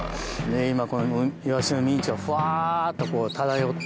今イワシのミンチがふわっとこう漂ってて。